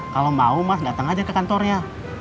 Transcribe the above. kalau mau mas datang aja ke kantornya